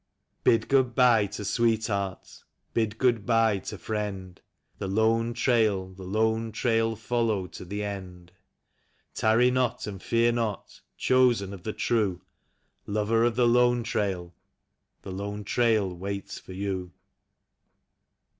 Bid good bye to sweetheart, hid good bye to friend; The Lone Trail, The Lone Trail follow to the end. Tarry not, and fear not, chosen of the true; Lover of the Ijone Trail, the Lone Trail waits for you.